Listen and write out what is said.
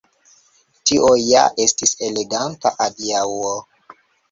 Tio ja estis eleganta adiaŭo.